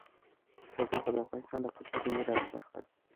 تودوخه د افغانستان د کلتوري میراث برخه ده.